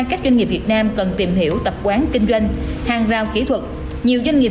các doanh nghiệp việt nam cần tìm hiểu tập quán kinh doanh hàng rào kỹ thuật nhiều doanh nghiệp